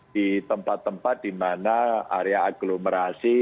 di tempat tempat dimana area aglomerasi